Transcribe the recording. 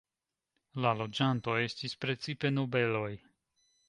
La loĝantoj estis precipe nobeloj.